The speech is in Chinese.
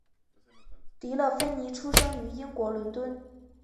迪乐芬妮出生于英国伦敦。